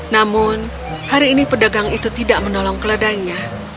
namun hari ini pedagang itu tidak menolong keledainya